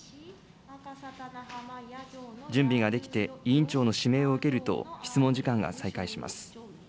準備ができて、委員長の指名を受けると、質問時間が再開します。